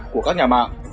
của các nhà mạng